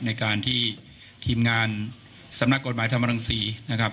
ในการที่ทีมงานสำนักกฎหมายธรรมรังศรีนะครับ